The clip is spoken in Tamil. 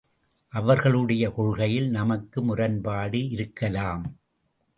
அவர்களுடைய கொள்கையில் நமக்கு முரண்பாடு இருக்கலாம்!